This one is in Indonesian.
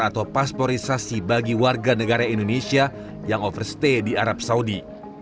atau pasporisasi bagi warga negara indonesia yang overstay di arab saudi